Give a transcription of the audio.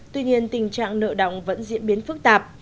tuy nhiên tình trạng nợ động vẫn diễn biến phức tạp